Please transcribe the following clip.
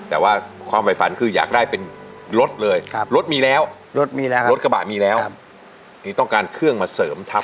แต่ว่าความฝันคืออยากได้เป็นรถเลยรถมีแล้วรถกระบะมีแล้วต้องการเครื่องมาเสริมทัพ